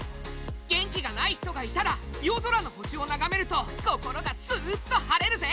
元気がない人がいたら夜空の星を眺めると心がスーッと晴れるぜ！